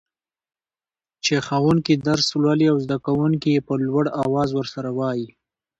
چي ښوونکي درس لولي او زده کوونکي يي په لوړ اواز ورسره وايي.